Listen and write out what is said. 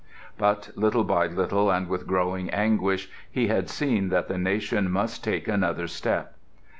But, little by little, and with growing anguish, he had seen that the nation must take another step.